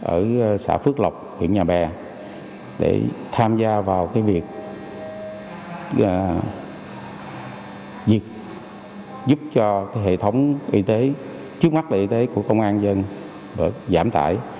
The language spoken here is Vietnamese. ở xã phước lộc huyện nhà bè để tham gia vào việc giúp cho hệ thống y tế trước mắt y tế của công an dân giảm tải